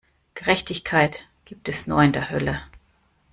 Gerechtigkeit gibt es nur in der Hölle!